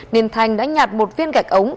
nên thanh đã nhạt một viên gạch ống